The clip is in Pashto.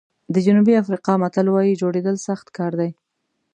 د جنوبي افریقا متل وایي جوړېدل سخت کار دی.